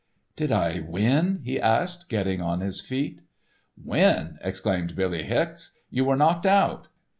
"Did I win?" he asked, getting on his feet. "Win!" exclaimed Billy Hicks. "You were knocked out.